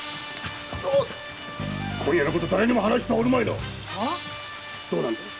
今夜のこと誰にも話しておるまいな⁉どうだ？